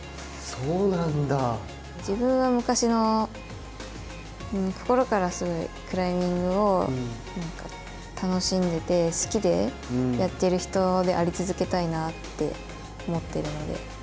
自分は昔の、心からクライミングを楽しんでて好きでやっている人であり続けたいなって思ってるので。